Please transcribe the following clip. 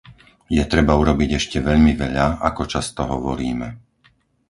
Je treba urobiť ešte veľmi veľa, ako často hovoríme.